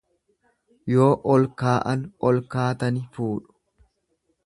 Yoo ol kaa'an ol kaatani fuudhu.